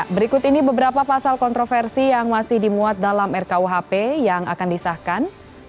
berikut ini beberapa pasal kontroversi yang masih dimuat dalam rkuhp yang akan disahkan